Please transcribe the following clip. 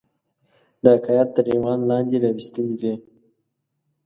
د حکایت تر عنوان لاندي را وستلې وي.